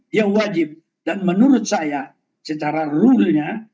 dia wajib dan menurut saya secara rurunya